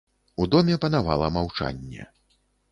У доме панавала маўчанне.